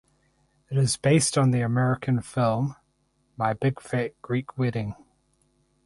It is based on the American film "My Big Fat Greek Wedding".